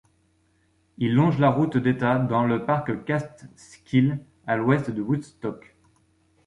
Il longe la Route d’état dans le Parc Catskill à à l'ouest de Woodstock.